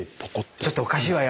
「ちょっとおかしいわよ